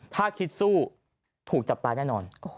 ถ้าคิดสู้ถูกจับตายแน่นอน